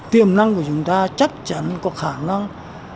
tiềm năng của chúng ta chắc chắn có khả năng